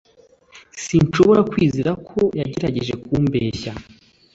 Sinshobora kwizera ko yagerageje kumbeshya